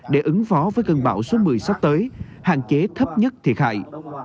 để ứng phó với cơn bão số một mươi sắp tới hạn chế thấp nhất thiệt hại